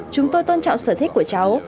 chúng tôi tôn trọng sở thích của cháu